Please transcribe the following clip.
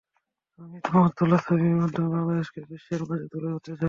আমি আমার তোলা ছবির মাধ্যমে বাংলাদেশকে বিশ্বের মাঝে তুলে ধরতে চাই।